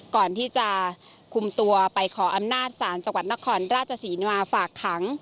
ก่อนที่จะคุมตัวไปขออำนาจศาลจังหวัดนครราชศรีมาฝากขัง